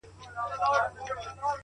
اې ستا قامت دي هچيش داسي د قيامت مخته وي;